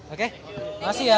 oke makasih ya